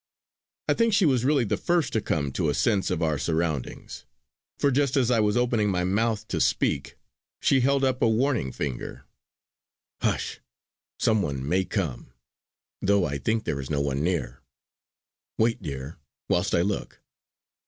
I think she was really the first to come to a sense of our surroundings; for just as I was opening my mouth to speak she held up a warning finger. "Hush! Some one may come; though I think there is no one near. Wait dear, whilst I look!"